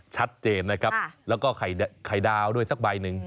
ชัดเจนนะครับแล้วก็ไข่ดาวด้วยสักใบหนึ่ง